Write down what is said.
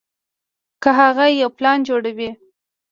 کۀ هغه يو پلان جوړوي